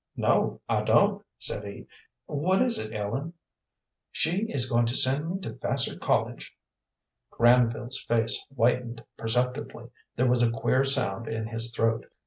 "No, I don't," said he. "What is it, Ellen?" "She is going to send me to Vassar College." Granville's face whitened perceptibly. There was a queer sound in his throat.